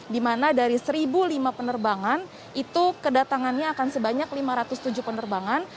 di mana dari satu lima penerbangan itu kedatangannya akan sebanyak lima ratus tujuh penerbangan